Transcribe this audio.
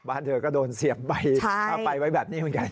บ้านเธอก็โดนเสียบไปค่าไฟไว้แบบนี้เหมือนกัน